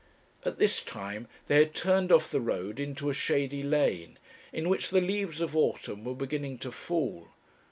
At this time they had turned off the road into a shady lane, in which the leaves of autumn were beginning to fall.